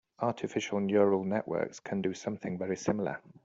Artificial neural networks can do something very similar.